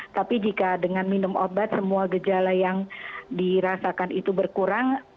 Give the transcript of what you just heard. tapi jika dengan minum obat semua gejala yang dirasakan itu berkurang